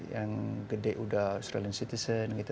yang gede udah australian citizen gitu